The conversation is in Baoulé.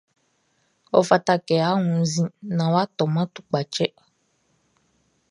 Ɔ fata kɛ a wunnzin naan wʼa tɔman tukpachtɛ.